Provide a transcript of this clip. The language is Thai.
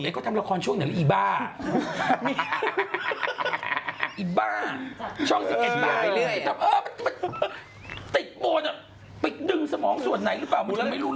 อีบ้าช่อง๑๑บายด้วยเออออติดโบนดึงสมองส่วนไหนหรือเปล่า